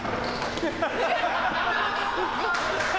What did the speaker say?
ハハハハ！